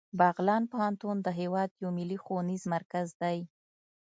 بغلان پوهنتون د هیواد یو ملي ښوونیز مرکز دی